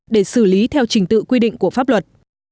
để xử lý theo trình tự quy định của pháp luật